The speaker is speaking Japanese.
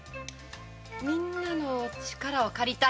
みんなの力を借りたいんだ。